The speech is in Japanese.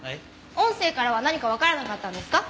音声からは何かわからなかったんですか？